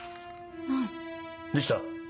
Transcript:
どうした？